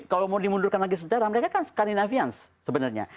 kalau mau dimundurkan lagi sederhana mereka kan skandinavians sebenarnya